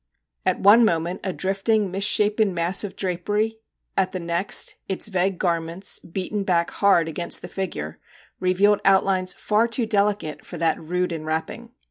At one moment a drifting, misshapen mass of drapery, at the next, its vague garments, beaten back hard against the figure, revealed outlines far too delicate for that rude enwrapping.